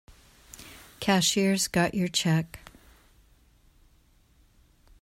Cashier's got your check.